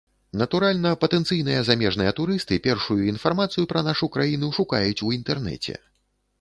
Натуральна, патэнцыйныя замежныя турысты першую інфармацыю пра нашу краіну шукаюць у інтэрнэце.